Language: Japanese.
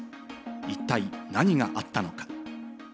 一体何があったのか？